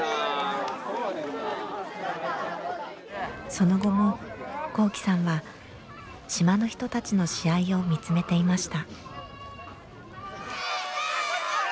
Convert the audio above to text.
その後も昂志さんは島の人たちの試合を見つめていました。